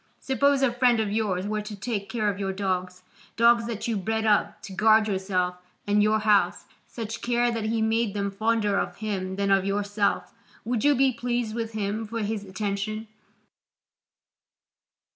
Suppose a friend of yours were to take care of your dogs, dogs that you bred up to guard yourself and your house, such care that he made them fonder of him than of yourself, would you be pleased with him for his attention?